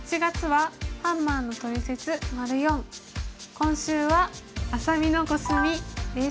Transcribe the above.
今週は「愛咲美のコスミ」です。